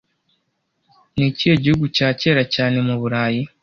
Nikihe gihugu cya kera cyane muburayi